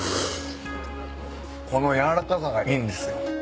この軟らかさがいいんですよ。